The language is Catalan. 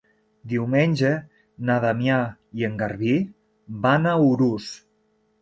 Diumenge na Damià i en Garbí van a Urús.